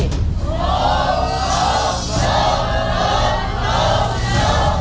โรคโรคโรคโรคโรค